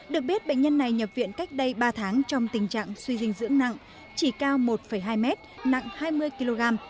được biết bệnh nhân này nhập viện cách đây ba tháng trong tình trạng suy dinh dưỡng nặng chỉ cao một hai mét nặng hai mươi kg